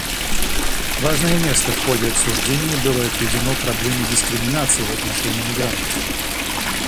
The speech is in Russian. Важное место в ходе обсуждений было отведено проблеме дискриминации в отношении мигрантов.